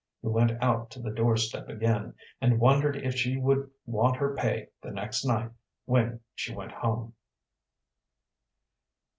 He went out to the doorstep again, and wondered if she would want her pay the next night when she went home.